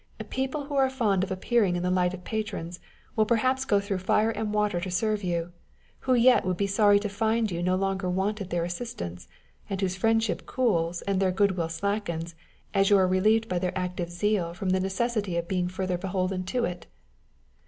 People who are fond of appearing in the light of patrons will perhaps go through fire and water to serve you, who yet v/ould be sorry to find you no longer wanted their assist ance, and whose friendship cools and their good will slackens, as you are relieved by their active zeal from the necessity of being further beholden to it.